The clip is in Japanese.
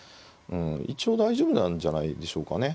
一応大丈夫なんじゃないでしょうかね。